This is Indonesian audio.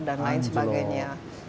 dan lain sebagainya